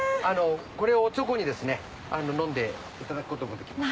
これをおちょこに飲んでいただくこともできます。